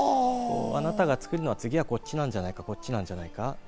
あなたが作るのは次はこっちなんじゃないか、こっちなじゃないかと。